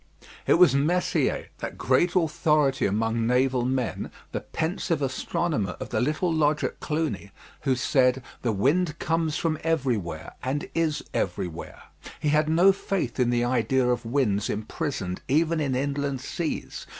It was Messier, that great authority among naval men, the pensive astronomer of the little lodge at Cluny, who said, "The wind comes from everywhere and is everywhere." He had no faith in the idea of winds imprisoned even in inland seas.